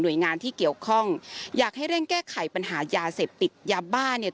โดยงานที่เกี่ยวข้องอยากให้เร่งแก้ไขปัญหายาเสพติดยาบ้าเนี่ย